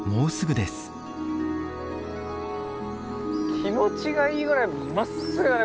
気持ちがいいぐらいまっすぐだね